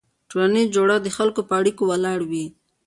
ټولنیز جوړښت د خلکو په اړیکو ولاړ وي.